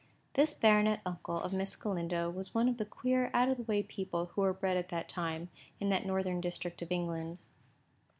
This baronet uncle of Miss Galindo was one of the queer, out of the way people who were bred at that time, and in that northern district of England.